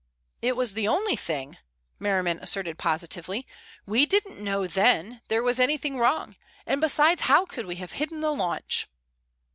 "It was the only thing," Merriman asserted positively. "We didn't know then there was anything wrong, and besides, how could we have hidden the launch?"